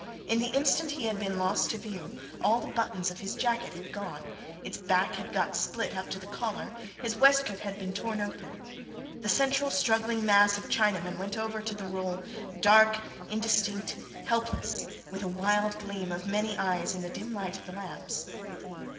In the instant he had been lost to view, all the buttons of his jacket had gone, its back had got split up to the collar, his waistcoat had been torn open. The central struggling mass of Chinamen went over to the roll, dark, indistinct, helpless, with a wild gleam of many eyes in the dim light of the lamps.